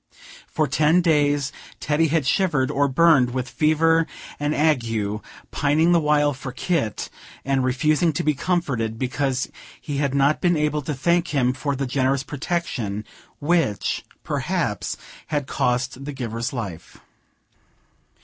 For ten days, Teddy had shivered or burned with fever and ague, pining the while for Kit, and refusing to be comforted, because he had not been able to thank him for the generous protection, which, perhaps, had cost the giver's life.